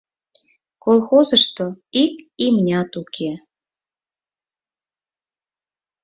— Колхозышто ик имнят уке.